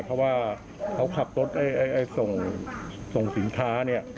เพราะว่าเขาขับรถให้ส่งสินค้า